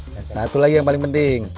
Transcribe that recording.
dan satu lagi yang paling penting